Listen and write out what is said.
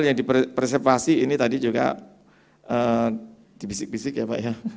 yang di preservasi ini tadi juga dibisik bisik ya pak ya